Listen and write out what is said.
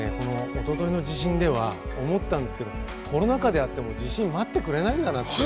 おとといの地震では思ったんですけどコロナ禍であっても地震待ってくれないんだなって